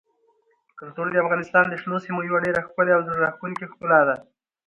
کلتور د افغانستان د شنو سیمو یوه ډېره ښکلې او زړه راښکونکې ښکلا ده.